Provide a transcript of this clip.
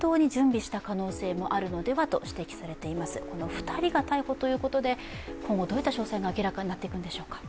２人が逮捕ということで、今後どういった詳細が明らかになっていくんでしょうか。